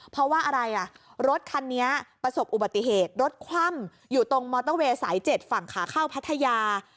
เพราะว่าอะไรอ่ะรถคันนี้ประสบอุบัติเหตุรถคว่ำอยู่ตรงมอเตอร์เวย์สาย๗ฝั่งขาเข้าพัทยา